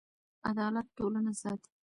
عدالت ټولنه ساتي.